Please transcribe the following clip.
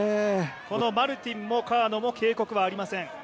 このマルティンも川野も警告はありません。